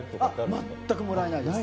全くもらえないです。